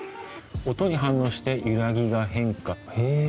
「音に反応して揺らぎが変化」へぇ。